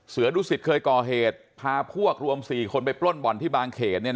เสือดุสิตเคยก่อเหตุพาพวกรวม๔คนไปปล้นบ่อนที่บางเขต